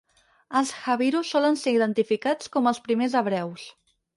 Els habiru solen ser identificats com els primers hebreus.